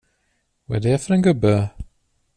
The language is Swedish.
Vad är det för en gubbe?